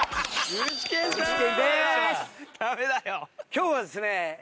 今日はですね